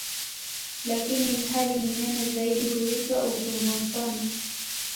Lakini ilhali ni nene zaidi huitwa "utumbo mpana".